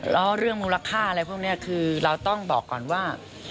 แล้วเรื่องมูลค่าอะไรพวกนี้คือเราต้องบอกก่อนว่า